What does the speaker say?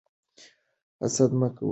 حسد مه کوئ.